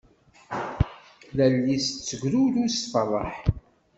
Lal-is tegrurez tferreḥ.